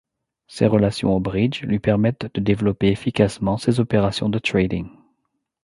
Ses relations au bridge lui permettent développer efficacement ses opérations de trading.